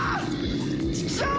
チクショー！